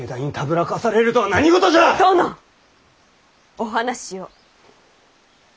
お話を。